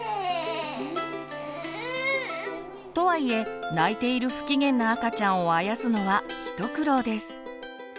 とはいえ泣いている不機嫌な赤ちゃんをあやすのは一苦労です。